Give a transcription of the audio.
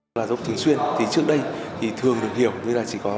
là giáo dục thường xuyên thì trước đây thì thường được hiểu như là chỉ có một